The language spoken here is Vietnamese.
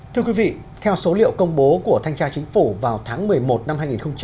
thưa quý vị theo số liệu công bố của thanh tra chính phủ vào tháng một mươi một năm hai nghìn hai mươi ba